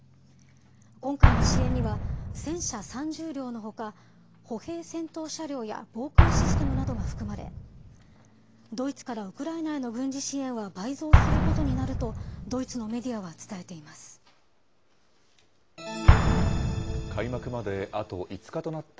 今回の支援には、戦車３０両のほか、歩兵戦闘車両や防空システムなどが含まれ、ドイツからウクライナへの軍事支援は倍増することになると、ドイ開幕まであと５日となった